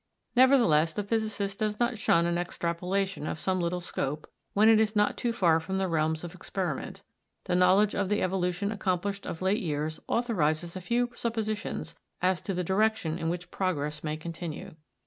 Nevertheless, the physicist does not shun an extrapolation of some little scope when it is not too far from the realms of experiment; the knowledge of the evolution accomplished of late years authorises a few suppositions as to the direction in which progress may continue.